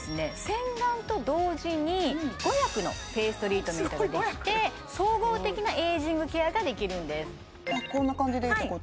洗顔と同時に５役のフェイストリートメントができて総合的なエイジングケアができるんですこんな感じでいいってこと？